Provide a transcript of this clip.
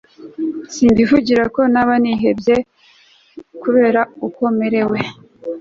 simbivugira ko naba nihebye kubera uko merewe